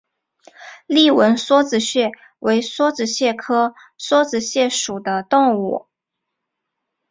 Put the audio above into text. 丽纹梭子蟹为梭子蟹科梭子蟹属的动物。